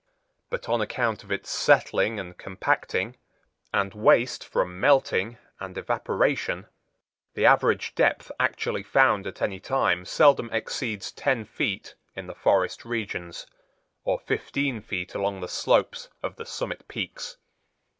But on account of its settling and compacting, and waste from melting and evaporation, the average depth actually found at any time seldom exceeds ten feet in the forest regions, or fifteen feet along the slopes of the summit peaks.